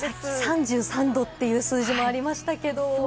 ３３度という数字もありましたけれども。